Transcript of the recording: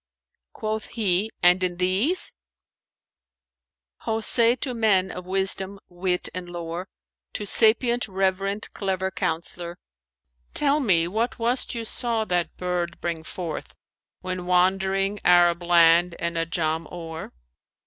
Quoth he, "And in these, 'Ho say to men of wisdom, wit and lore * To sapient, reverend, clever counsellor: Tell me what was't you saw that bird bring forth * When wandering Arab land and Ajam o'er?